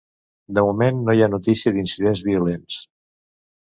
De moment no hi ha notícia d’incidents violents.